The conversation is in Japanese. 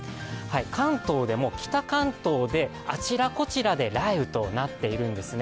関東でも北関東であちらこちらで雷雨となっているんですね。